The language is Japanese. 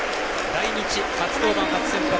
来日初登板初先発。